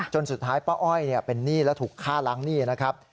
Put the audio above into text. สุดท้ายป้าอ้อยเป็นหนี้และถูกฆ่าล้างหนี้นะครับ